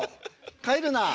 帰るな。